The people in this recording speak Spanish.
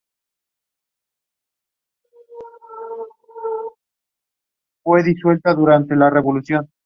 En el terreno existe un paso peatonal para poder cruzar la Panamericana Sur.